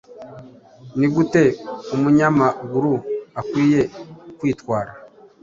ni gute umunyamaguru akwiye kwitwara